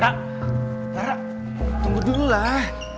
kak tara tunggu dululah